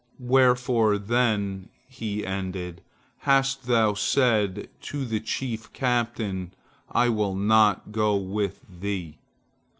"Wherefore, then," he ended, "hast thou said to the chief captain, I will not go with thee?"